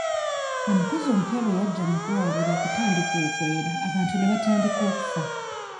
Omukozi omupya bwe yajja mu ddwaliro okutandika okwera abantu ne batandika okufa.